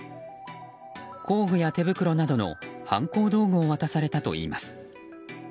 工具や手袋などの犯行道具を渡されたといいます。